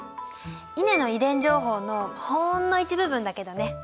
イネの遺伝情報のほんの一部分だけどね。